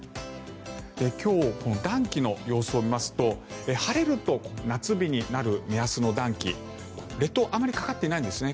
今日、この暖気の様子を見ますと晴れると夏日になる目安の暖気列島あまりかかっていないんですね。